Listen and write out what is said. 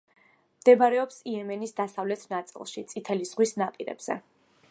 მდებარეობს იემენის დასავლეთ ნაწილში, წითელი ზღვის ნაპირებზე.